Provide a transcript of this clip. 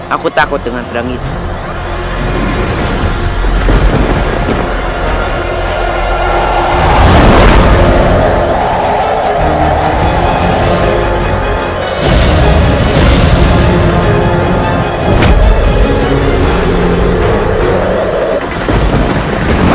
aku takut dengan perang itu